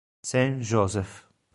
Saint Joseph